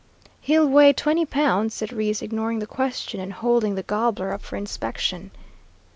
"He'll weigh twenty pounds," said Reese, ignoring the question and holding the gobbler up for inspection.